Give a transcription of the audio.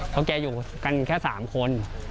เพราะแกอยู่กันแค่๓คน